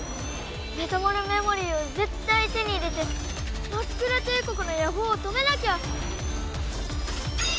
メタモルメモリーを絶対手に入れてマックラ帝国の野望を止めなきゃ！